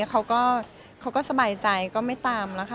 เขาก็สบายใจก็ไม่ตามแล้วค่ะ